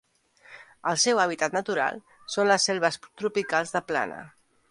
El seu hàbitat natural són les selves tropicals de plana.